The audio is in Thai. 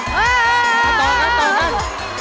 มันต่อกันต่อกัน